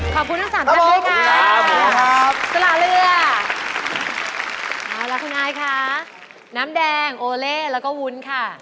ขอบคุณทั้ง๓ท่านด้วยค่ะสละเรือแล้วคุณอายคะน้ำแดงโอเล่แล้วก็วุ้นค่ะ